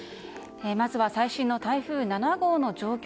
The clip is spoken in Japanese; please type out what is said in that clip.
まずは最新の台風７号の状況